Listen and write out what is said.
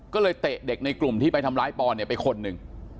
ก็เลยเตะเด็กในกลุ่มที่ไปทำร้ายปอนเนี่ยไปคนหนึ่ง